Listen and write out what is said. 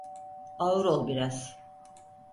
Ağır ol biraz.